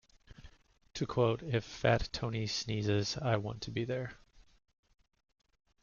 To quote: If Fat Tony sneezes, I want to be there.